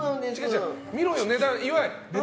見ろよ、値段。